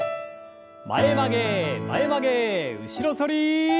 前曲げ前曲げ後ろ反り。